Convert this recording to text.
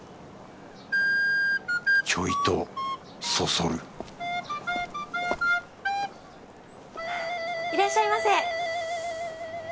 ちょいとそそるいらっしゃいませ。